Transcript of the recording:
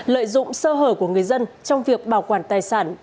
lợi dụng sơ hở của người dân trong việc bảo quản tài sản